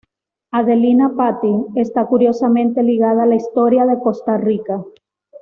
Adelina Patti está curiosamente ligada a la historia de Costa Rica.